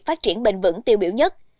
phát triển bền vững tiêu biểu nhất